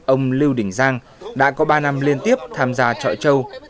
ông lưu đình giang đã có ba năm liên tiếp tham gia chợ châu